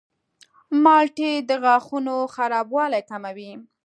مالټې د غاښونو خرابوالی کموي.